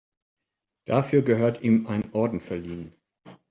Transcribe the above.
Dafür gehört ihm ein Orden verliehen.